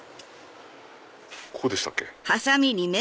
こうでしたっけ？